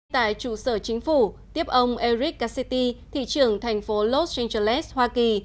tại chủ sở chính phủ tiếp ông eric cassetti thị trưởng thành phố los angeles hoa kỳ